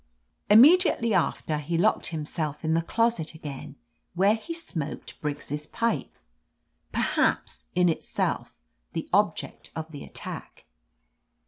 Immediately after, he locked himself in the 206 OF LETITIA CARBERRY closet again, where he smoked Briggs' pipe, perhaps in itself the object of the attack.